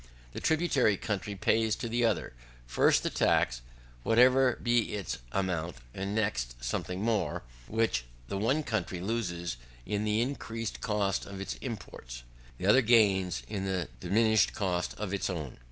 The tributary country pays to the other, first, the tax, whatever be its amount, and next, something more, which the one country loses in the increased cost of its imports, the other gains in the diminished cost of its own.